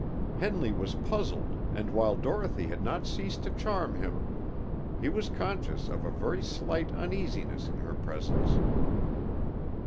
Henley was puzzled, and while Dorothy had not ceased to charm him, he was conscious of a very slight uneasiness in her presence.